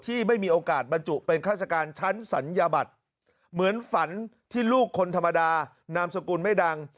ไม่มีโอกาสบรรจุเป็นข้าราชการชั้นศัลยบัตรเหมือนฝันที่ลูกคนธรรมดานามสกุลไม่ดัง